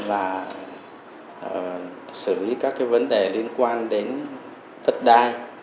và xử lý các vấn đề liên quan đến đất đai